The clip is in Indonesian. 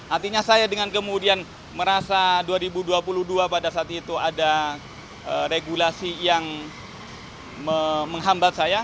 artinya saya dengan kemudian merasa dua ribu dua puluh dua pada saat itu ada regulasi yang menghambat saya